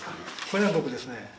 これが僕ですね。